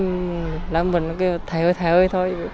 ôm chầm ấy làm mình cái thầy ơi thầy ơi thôi